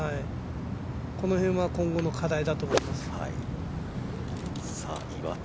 この辺は今後の課題だと思います。